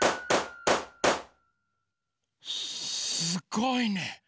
すごいね。